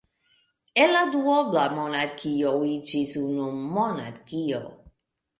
El la duobla monarkio iĝis unu monarkio.